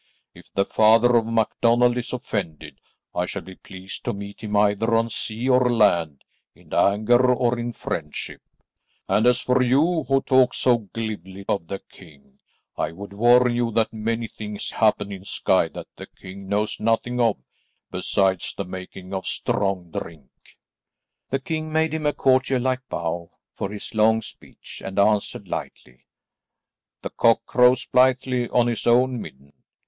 If the father of MacDonald is offended I shall be pleased to meet him either on sea or land, in anger or in friendship, and as for you, who talk so glibly of the king, I would warn you that many things happen in Skye that the king knows nothing of, besides the making of strong drink." The king made him a courtier like bow for this long speech, and answered lightly, "The cock crows blithely on his own midden.